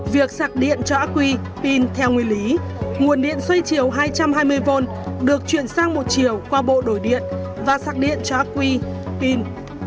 việc sạc điện cho aqi pin theo nguyên lý nguồn điện xoay chiều hai trăm hai mươi v được chuyển sang một chiều qua bộ đổi điện và sạc điện cho aqi pin